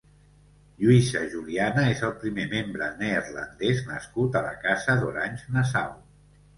Lluïsa Juliana és el primer membre neerlandès nascut a la Casa d'Orange-Nassau.